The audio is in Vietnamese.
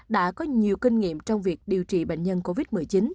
đã có nhiều kinh nghiệm trong việc điều trị bệnh nhân covid một mươi chín